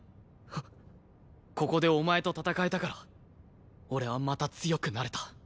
ここでお前と戦えたから俺はまた強くなれた。